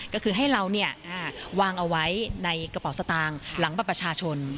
ก็คือให้เราเนี้ยอ่าวางเอาไว้ในกระเป๋าสตางค์หลังปรับประชาชน